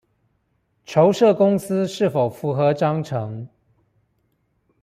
籌設公司是否符合章程